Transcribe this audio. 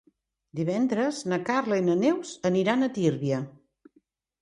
Divendres na Carla i na Neus aniran a Tírvia.